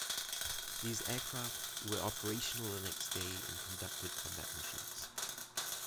These aircraft were operational the next day and conducted combat missions.